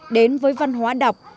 đến với văn hóa đọc